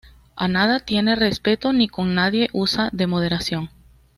A nada tiene respeto, ni con nadie usa de moderación"".